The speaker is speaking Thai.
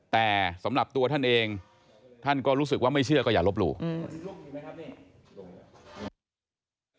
แต่สำหรับตัวท่านเองท่านก็รู้สึกว่าไม่เชื่อก็อย่าลบหลู่อืม